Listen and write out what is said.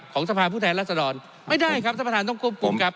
ของสภาพผู้แทนรัฐศรรณไม่ได้ครับสภาธารต้องกลุ่มกลุ่มครับ